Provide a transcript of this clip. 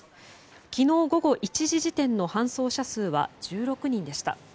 昨日午後１時時点の搬送者数は１６人でした。